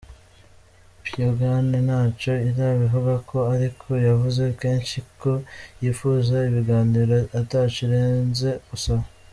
Pyongyang ntaco irabivugako ariko yavuze kenshi ko yipfuza ibiganiro ataco irinze gusaba.